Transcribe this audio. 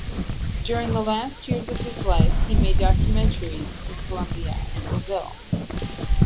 During the last years of his life he made documentaries in Colombia and Brazil.